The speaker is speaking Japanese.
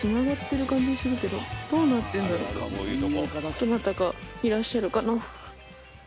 どなたかいらっしゃるかな。